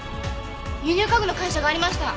輸入家具の会社がありました！